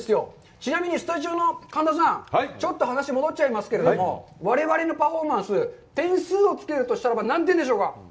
ちなみにスタジオの神田さん、ちょっと話は戻っちゃいますけど、我々のパフォーマンス、点数をつけるとしたらば、何点でしょうか！